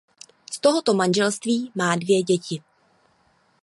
Z tohoto manželství má dvě děti.